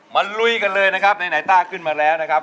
ลุยกันเลยนะครับไหนต้าขึ้นมาแล้วนะครับ